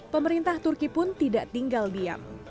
pemerintah turki pun tidak tinggal diam